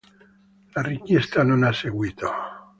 La richiesta non ha seguito.